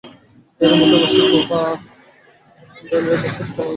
এরই মধ্যে অবশ্য কোপা ডেল রের শেষ ষোলোর সূচিও ঠিক হয়ে যাবে।